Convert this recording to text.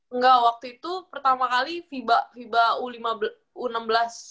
enggak waktu itu pertama kali fiba u enam belas di medan